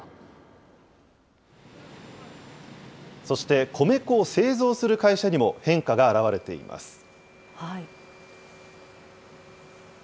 そして、米粉を製造する会社にも変化が現れています。